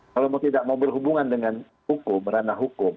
kalau mau tidak mau berhubungan dengan hukum ranah hukum